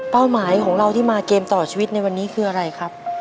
หมายของเราที่มาเกมต่อชีวิตในวันนี้คืออะไรครับ